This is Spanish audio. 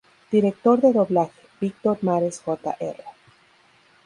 Director de doblaje: Víctor Mares, Jr.